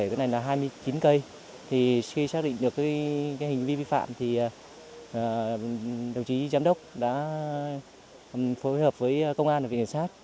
cái này là hai mươi chín cây thì khi xác định được hành vi vi phạm thì đồng chí giám đốc đã phối hợp với công an và viện kiểm sát